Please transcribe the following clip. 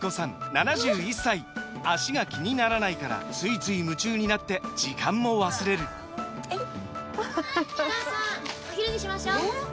７１歳脚が気にならないからついつい夢中になって時間も忘れるお母さんお昼にしましょうえー